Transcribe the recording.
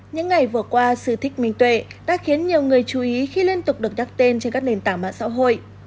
những ngày vừa qua sự thích minh tuệ đã khiến nhiều người chú ý khi liên tục được đặt tên trên các nền tảng mạng xã hội